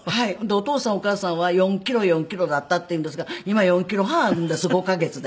お父さんお母さんは４キロ４キロだったっていうんですが今４キロ半あるんです５カ月で。